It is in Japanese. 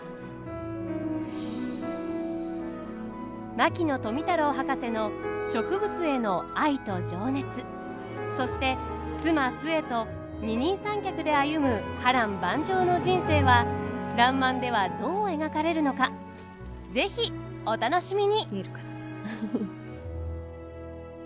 牧野富太郎博士の植物への愛と情熱そして妻壽衛と二人三脚で歩む波乱万丈の人生は「らんまん」ではどう描かれるのか是非お楽しみに。